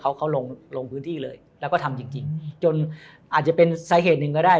เขาเขาลงลงพื้นที่เลยแล้วก็ทำจริงจริงจนอาจจะเป็นสาเหตุหนึ่งก็ได้